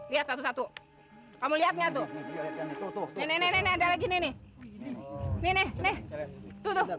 lihat satu satu kamu lihatnya tuh tuh ini ada lagi nih nih nih nih nih